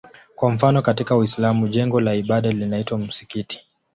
Kwa mfano katika Uislamu jengo la ibada linaitwa msikiti.